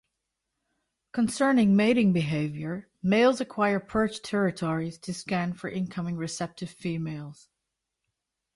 Concerning mating behavior, males acquire perch territories to scan for incoming receptive females.